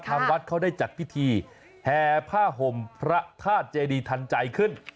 ทางวัดเขาได้จัดพิธีแห่ผ้าห่มพระธาตุเจดีทันใจขึ้น